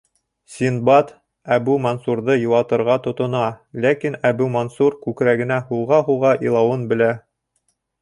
Синдбад Әбү-Мансурҙы йыуатырға тотона, ләкин Әбү-Мансур күкрәгенә һуға-һуға илауын белә.